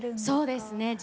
そうですね。